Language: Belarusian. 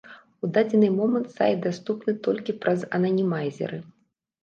У дадзены момант сайт даступны толькі праз ананімайзеры.